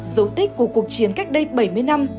dấu tích của cuộc chiến cách đây bảy mươi năm